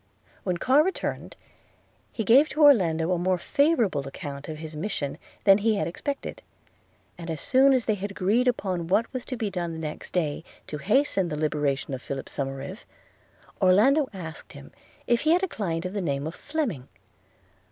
When Carr returned, he gave to Orlando a more favorable account of his mission than he had expected; and as soon as they had agreed upon what was to be done the next day to hasten the liberation of Philip Somerive, Orlando asked him if he had a client of the name of Fleming?